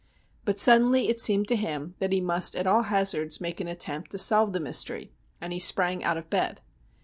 But suddenly it seemed to him that he must at all hazards make an attempt to solve the mystery, and he sprang out of bed.